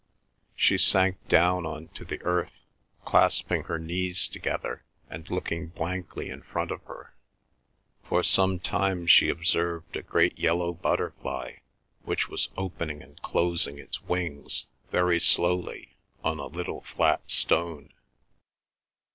She sank down on to the earth clasping her knees together, and looking blankly in front of her. For some time she observed a great yellow butterfly, which was opening and closing its wings very slowly on a little flat stone.